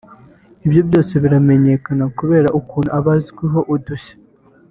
ibye byose biramenyekana kubera ukuntu aba azwiho udushya